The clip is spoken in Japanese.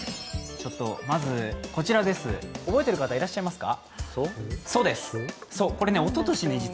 こちらです、覚えている方いらっしゃいますか？